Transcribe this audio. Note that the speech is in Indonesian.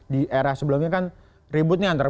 di era sebelumnya kan ribut nih antara